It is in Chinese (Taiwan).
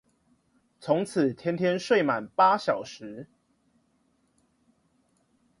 從此天天睡滿八小時